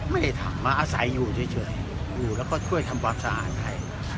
ไม่ได้ทำมาอาศัยอยู่เฉยอยู่แล้วก็ช่วยทำความสะอาดให้